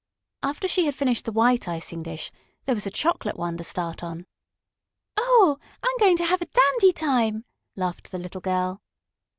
After she had finished the white icing dish there was a chocolate one to start on. "Oh, I'm going to have a dandy time!" laughed the little girl.